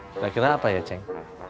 kira kira apa ya ceng